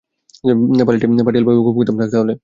পাটিল বাবু, থাক তাহলে।